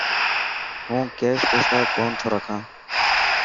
هون ڪيش پيسا ڪونه ٿو رکان.